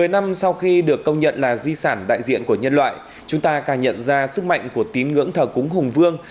một mươi năm sau khi được công nhận là di sản đại diện của nhân loại chúng ta càng nhận ra sức mạnh của tín ngưỡng thờ cúng hùng vương